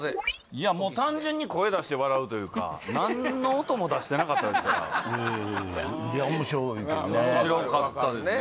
いやもう単純に声出して笑うというか何の音も出してなかったですからええいや面白いけどね面白かったですね